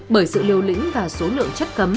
bởi sự liều lĩnh và số lượng chất cấm